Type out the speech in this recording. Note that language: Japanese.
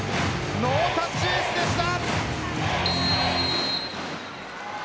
ノータッチエースでした。